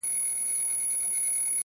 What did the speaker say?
نظم د وخت د ساتنې هنر دی!